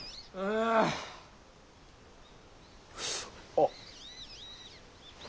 あっ。